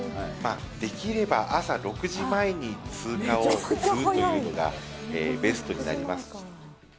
できれば朝６時前に通過をするというのが、ベストになります。